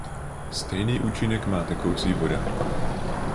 Stejný účinek má tekoucí voda.